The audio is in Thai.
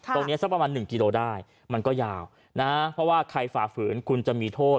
สักประมาณ๑กิโลได้มันก็ยาวนะเพราะว่าใครฝ่าฝืนคุณจะมีโทษ